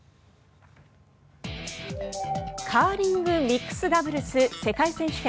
カーリングミックスダブルス世界選手権。